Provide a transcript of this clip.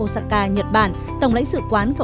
các loại lĩnh vực